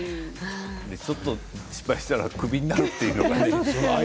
ちょっと失敗したらクビになるというのがね